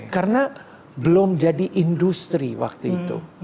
karena belum jadi industri waktu itu